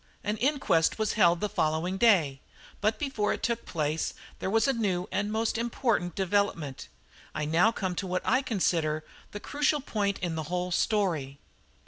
An inquest was held on the following day, but before it took place there was a new and most important development. I now come to what I consider the crucial point in the whole story.